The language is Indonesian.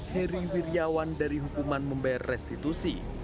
heri wirjawan dari hukuman membayar restitusi